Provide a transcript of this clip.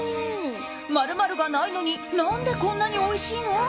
○○がないのに何でこんなにおいしいの？